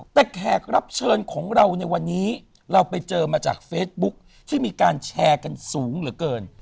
แต่แขกรับเชิญของเราในวันนี้เราไปเจอมาจากเฟซบุ๊คที่มีการแชร์กันสูงเหลือเกิน